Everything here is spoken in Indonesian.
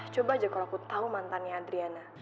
coba aja kalo aku tau mantannya adriana